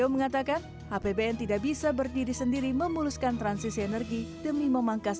mengatakan apbn tidak bisa berdiri sendiri memuluskan transisi energi demi memangkas